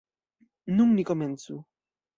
Nun ni komencu.